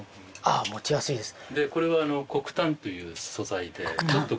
持ちやすいですね。